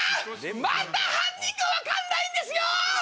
また犯人が分かんないんですよ！